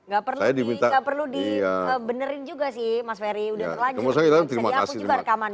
gak perlu dikebenerin juga sih mas ferry udah terlanjur